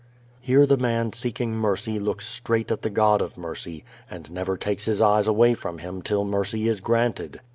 Here the man seeking mercy looks straight at the God of mercy and never takes his eyes away from Him till mercy is granted.